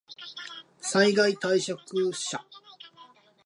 災害対策車